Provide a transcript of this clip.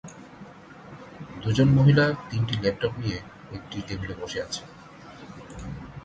দুজন মহিলা তিনটি ল্যাপটপ নিয়ে একটি টেবিলে বসে আছে।